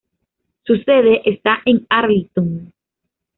Su sede está en Arlington.